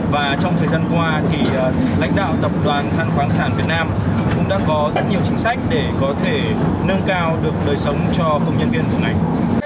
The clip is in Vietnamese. và trong thời gian qua thì lãnh đạo tập đoàn than khoáng sản việt nam cũng đã có rất nhiều chính sách để có thể nâng cao được đời sống cho công nhân viên của ngành